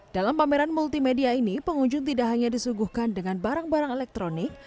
dalam pameran multimedia ini pengunjung tidak hanya disuguhkan dengan barang barang elektronik